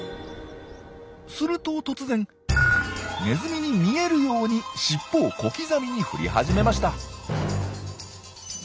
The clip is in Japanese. すると突然ネズミに見えるように尻尾を小刻みに振り始めました。